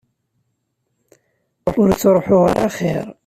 Ur ttruḥeɣ ara axir.